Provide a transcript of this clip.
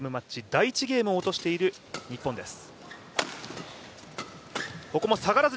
第１ゲームを落としている日本です